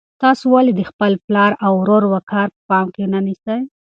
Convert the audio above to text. تاسو ولې د خپل پلار او ورور وقار په پام کې نه نیسئ؟